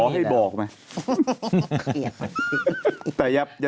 ให้บอกไหม